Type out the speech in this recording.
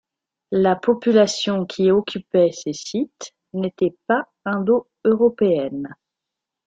La population qui occupait ces sites n’était pas indo-européenne.